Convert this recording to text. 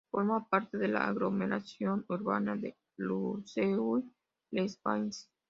Forma parte de la aglomeración urbana de Luxeuil-les-Bains.